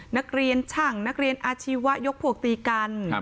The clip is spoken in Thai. นักเรียนช่างนักเรียนอาชีวะยกพวกตีกัน